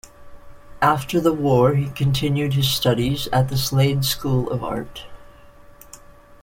After the war, he continued his studies at the Slade School of Art.